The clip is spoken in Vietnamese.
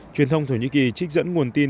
truyền thông thổ nhĩ kỳ trích dẫn nguồn tin